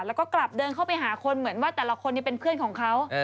แล้วก็กลับเดินเข้าไปหาคนเหมือนว่าแต่ละคนเป็นเพื่อนของเขา